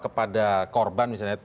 kepada korban misalnya